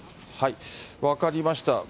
分かりました。